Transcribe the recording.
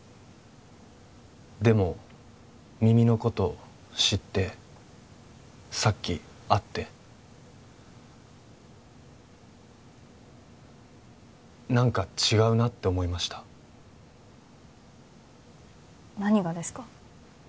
でも耳のことを知ってさっき会って何か違うなって思いました何がですか？